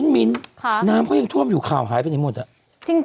มิ้นน้ำเขายังท่วมอยู่ข่าวหายไปอย่างมัวดละ